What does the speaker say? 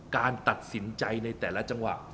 การตัดสินใจในแต่ละจังหวะ